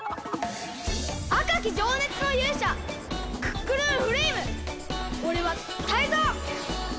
あかきじょうねつのゆうしゃクックルンフレイムおれはタイゾウ！